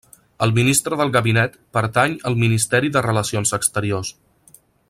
El ministre del gabinet pertany al Ministeri de Relacions Exteriors.